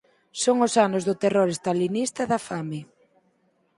Son os anos do terror stalinista e da fame.